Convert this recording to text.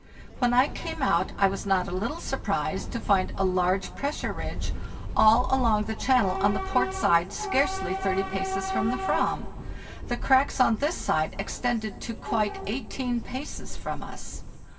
When I came out I was not a little surprised to find a large pressure ridge all along the channel on the port side scarcely thirty paces from the "vam; the cracks on this side extended to quite eighteen paces from us.